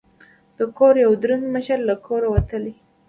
د کور یو دروند مشر له کوره وتلی دی.